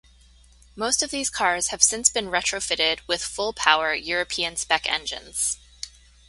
Most of these cars have since been retrofitted with full power, European spec engines.